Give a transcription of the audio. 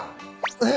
えっ。